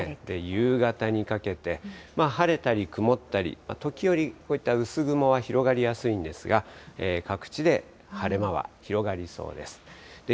夕方にかけて、晴れたり曇ったり、時折、こういった薄雲が広がりやすいんですが、各地で晴れ間は広がりそうです。